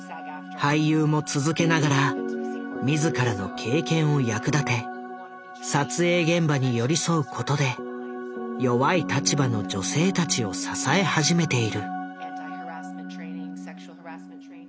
俳優も続けながら自らの経験を役立て撮影現場に寄り添うことで弱い立場の女性たちを支え始めている。